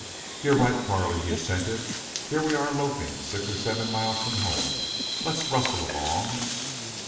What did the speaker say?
"You're right, Carley," he assented. "Here we are loafing six or seven miles from home. Let's rustle along."